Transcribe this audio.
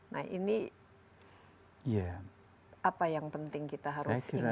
nah ini apa yang penting kita harus ingatkan